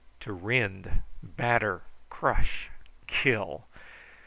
To rend, batter, crush, kill!